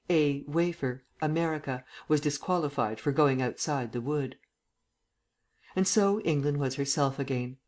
A. Wafer (America) was disqualified for going outside the wood." ..... And so England was herself again.